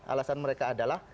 alasan mereka adalah